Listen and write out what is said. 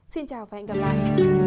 xin chào và hẹn gặp lại